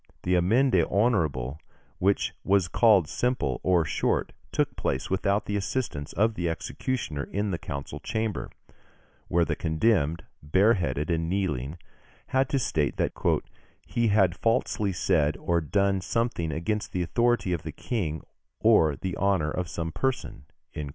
The amende honorable which was called simple or short, took place without the assistance of the executioner in the council chamber, where the condemned, bareheaded and kneeling, had to state that "he had falsely said or done something against the authority of the King or the honour of some person" (Fig.